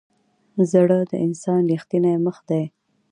زړه د انسان ریښتینی مخ دی.